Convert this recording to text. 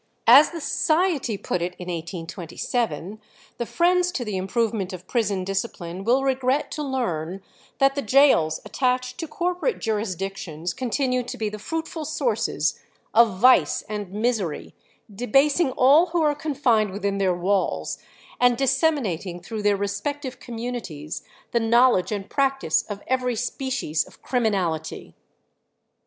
As the Society put it in 1827, "the friends to the improvement of prison discipline will regret to learn that the gaols attached to corporate jurisdictions continue to be the fruitful sources of vice and misery, debasing all who are confined within their walls, and disseminating through their respective communities the knowledge and practice of every species of criminality."